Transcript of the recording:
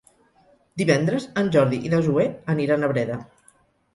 Divendres en Jordi i na Zoè aniran a Breda.